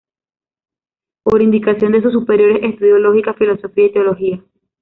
Por indicación de sus superiores estudió lógica, filosofía y teología.